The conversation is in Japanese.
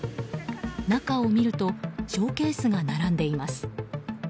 中を見るとショーケースが並んでいます。